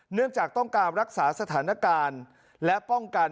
เนื่องจากต้องการรักษาสถานการณ์และป้องกัน